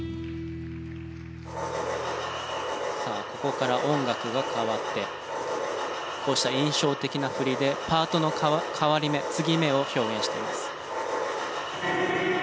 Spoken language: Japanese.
さあここから音楽が変わってこうした印象的な振りでパートの変わり目継ぎ目を表現しています。